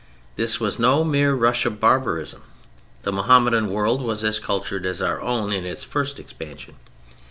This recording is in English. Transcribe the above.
This was no mere rush of barbarism. The Mohammedan world was as cultured as our own in its first expansion.